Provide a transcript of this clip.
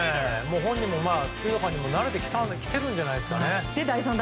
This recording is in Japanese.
本人もスピード感に慣れてきているんじゃないでしょうか。